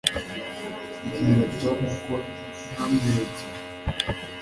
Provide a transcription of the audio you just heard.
Bwira Tom ko ntamwibagiwe